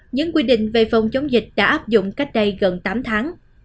những quy định về phòng chống dịch đã áp dụng cách đây gần tám tháng